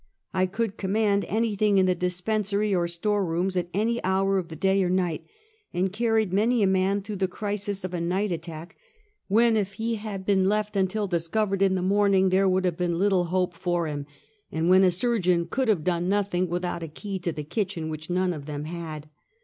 I could command anything in the dispensary or store rooms at any hour of the day or night, and carried many a man through the crisis of a night attack, when if he had been left until discovered in the morning, there would have been little hope for him; and when a sur geon could have done nothing without a key to the kitchen which none of them had.